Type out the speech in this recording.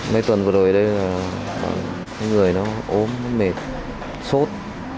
mấy tuần vừa đổi đây là người nó ốm mệt sốt